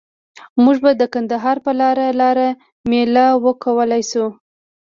مونږ به د کندهار په لاره لار میله وکولای شو.